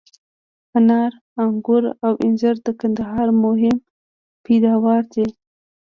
انار، آنګور او انځر د کندهار مهم پیداوار دي.